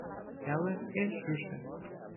Ela é justa.